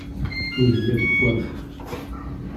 Et il y a du poivre !